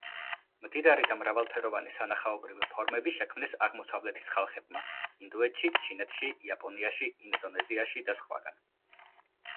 მდიდარი და მრავალფეროვანი სანახაობრივი ფორმები შექმნეს აღმოსავლეთის ხალხებმა ინდოეთში, ჩინეთში, იაპონიაში, ინდონეზიაში და სხვაგან.